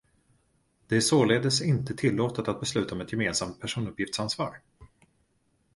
Det är således inte tillåtet att besluta om ett gemensamt personuppgiftsansvar.